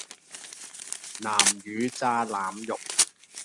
南乳炸腩肉